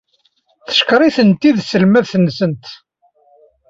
Teckeṛ-itent-id tselmadt-nsent.